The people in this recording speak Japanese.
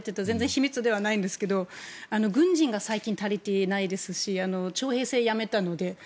全然、秘密ではないんですけど軍人が最近足りていないですし徴兵制をやめたので。